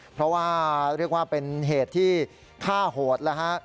เพราะว่าเรียกว่าเป็นเหตุที่ฆ่าโหดแล้วฮะ